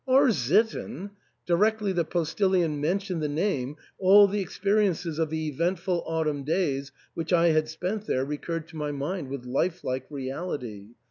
" R — sitten !" Directly the pos tillion metioned the name all the experiences of the eventful autumn days which I had spent there recurred to niy mind with lifelike reality.